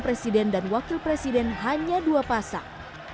presiden dan wakil presiden hanya dua pasang